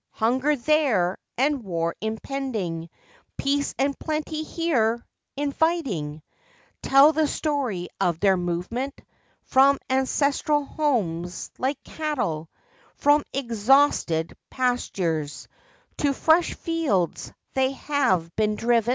Hunger there, and war impending— Peace and plenty here, inviting— Tell the story of their movement. From ancestral homes, like cattle From exhausted pastures To fresh fields, have they been driven.